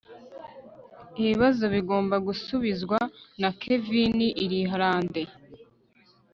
ibibazo bigomba gusubizwa. na kevini irilande